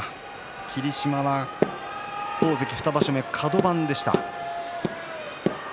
霧島大関２場所目でカド番でした。